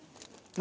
何？